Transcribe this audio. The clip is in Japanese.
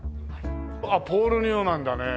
ああポール・ニューマンだね。